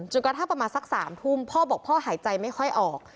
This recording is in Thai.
กระทั่งประมาณสัก๓ทุ่มพ่อบอกพ่อหายใจไม่ค่อยออก